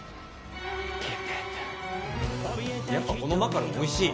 やっぱこのマカロンおいしい。